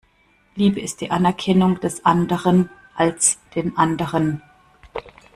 Liebe ist die Anerkennung des Anderen als den Anderen.